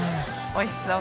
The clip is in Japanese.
おいしそう。